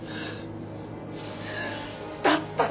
だったら！